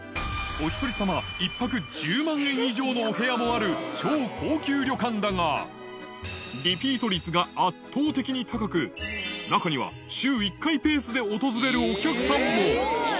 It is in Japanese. お１人様１泊１０万円以上のお部屋もある超高級旅館だが、リピート率が圧倒的に高く、中には週１回ペースで訪れるお客さんも。